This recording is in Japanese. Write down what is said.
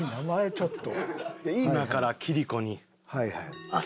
ちょっと。